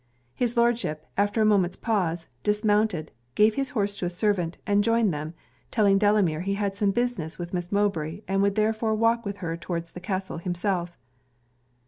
His Lordship, after a moment's pause, dismounted, gave his horse to a servant, and joined them, telling Delamere he had some business with Miss Mowbray, and would therefore walk with her towards the castle himself.